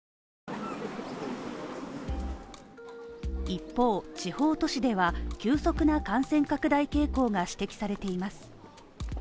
一方、地方都市では、急速な感染拡大傾向が指摘されています。